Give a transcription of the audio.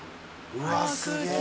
うわあすげえ！